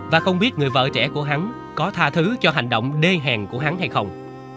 và không biết người vợ trẻ của hắn có tha thứ cho hành động đê hẹn của hắn hay không